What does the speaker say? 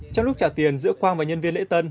trong lúc trả tiền giữa quang và nhân viên lễ tân